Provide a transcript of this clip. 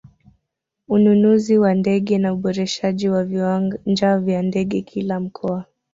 Ununuzi wa ndege na uboreshaji wa viwanja vya ndege kila mkoa